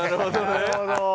なるほど。